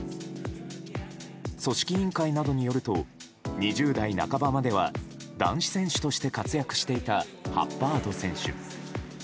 組織委員会などによると２０代半ばまでは男子選手として活躍していたハッバード選手。